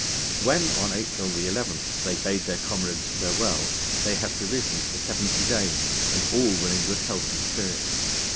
When on April 11 they bade their comrades farewell, they had provisions for seventy days, and all were in good health and spirits.